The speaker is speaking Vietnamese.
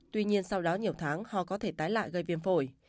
tuy nhiên sau đó nhiều tháng họ có thể tái lại gây viêm phổi